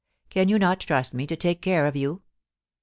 Can you not trust me to take care of you